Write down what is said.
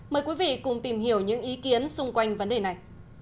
mời quý vị cùng tìm hiểu những ý kiến xung quanh vấn đề này